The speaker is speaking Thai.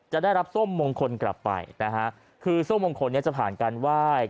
จะได้รับโซ่มมงคลกลับไปคือโซ่มมงคลจะผ่านการไหว้